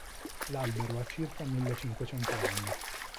L'albero ha circa millecinquecento anni.